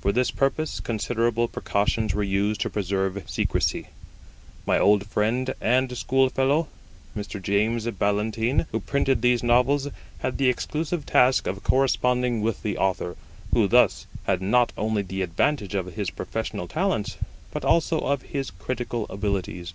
For this purpose considerable precautions were used to preserve secrecy. My old friend and schoolfellow, Mr. James Ballantyne, who printed these Novels, had the exclusive task of corresponding with the Author, who thus had not only the advantage of his professional talents, but also of his critical abilities.